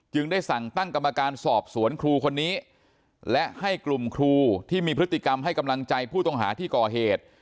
ได้สั่งตั้งกรรมการสอบสวนครูคนนี้และให้กลุ่มครูที่มีพฤติกรรมให้กำลังใจผู้ต้องหาที่ก่อเหตุ